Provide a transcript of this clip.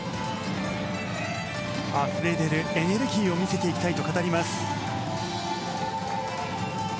あふれ出るエネルギーを見せていきたいと語ります。